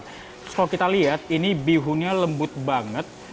terus kalau kita lihat ini bihunnya lembut banget